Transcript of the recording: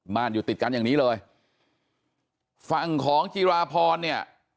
อยู่ติดกันอย่างนี้เลยฝั่งของจิราพรเนี่ย